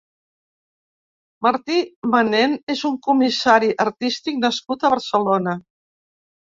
Martí Manen és un comissari artístic nascut a Barcelona.